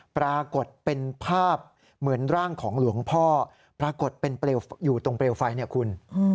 ปรากฏเป็นภาพเหมือนร่างของหลวงพ่อปรากฏเป็นอยู่ตรงเปลวไฟเนี่ยคุณ